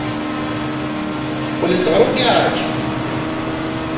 Qqlent ɣer ugaṛaj.